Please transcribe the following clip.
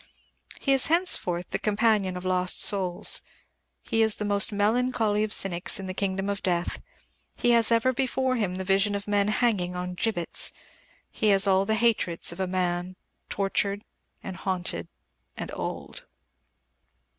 He is henceforth the companion of lost souls. He is the most melancholy of cynics in the kingdom of death. He has ever before him the vision of men hanging on gibbets. He has all the hatreds of a man tortured and haunted and old.